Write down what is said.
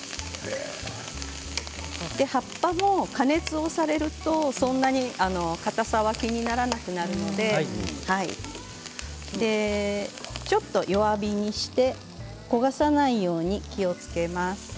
葉っぱも加熱されるとそんなにかたさは気にならなくなるのでちょっと弱火にして焦がさないように気をつけます。